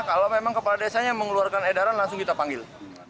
kalau memang kepala desanya mengeluarkan edaran langsung kita panggil